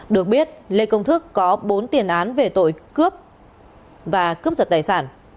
được biết lê công thức có bốn tiền án về tội cướp và cướp giật tài sản